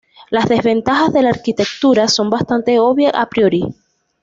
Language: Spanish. Las desventajas de la arquitectura son bastante obvias a priori.